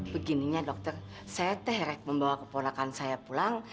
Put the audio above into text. begininya dokter saya terek membawa keponakan saya pulang